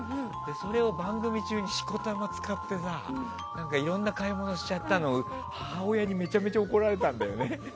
それを番組中にしこたま使ってさいろんな買い物しちゃったのを母親にめちゃめちゃ怒られたんだよね。